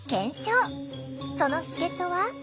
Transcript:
その助っとは。